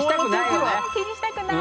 気にしたくない。